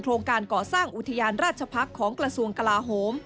โรงการก่อสร้างอุทยานราชพักษ์ของกระทรวงกลาโหม